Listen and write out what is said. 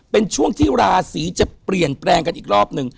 เป็นช่วงที่ราศีจะเปลี่ยนแปลงกันอีกรอบหนึ่ง